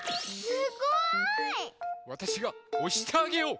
すごい！わたしがおしてあげよう！